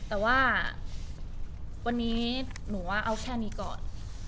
แต่ว่าวันนี้หนูว่าเอาแค่นี้ก่อน